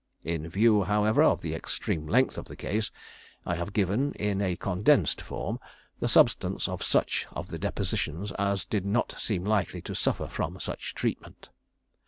In view, however, of the extreme length of the case, I have given, in a condensed form, the substance of such of the depositions as did not seem likely to suffer from such treatment.